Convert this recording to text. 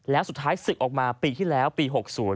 แล้วสุดท้ายศึกออกมาปีที่แล้วปี๖๐